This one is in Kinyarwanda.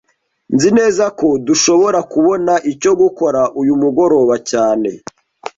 Nzi neza ko dushobora kubona icyo gukora uyu mugoroba cyane